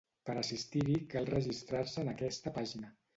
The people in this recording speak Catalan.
Per assistir-hi cal registrar-se en aquesta pàgina.